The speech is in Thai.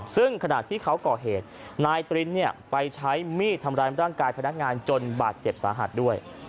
ซึ่งขณะที่เขาก่อเหตุนายตรินไปใช้มีดทำร้ายร่างกายพนักงานจนบาดเจ็บสาหัสด้วย